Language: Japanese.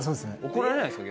怒られないですか？